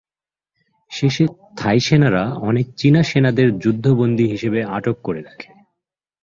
শেষে থাই সেনারা অনেক চীনা সেনাদের যুদ্ধ বন্দি হিসেবে আটক করে রাখে।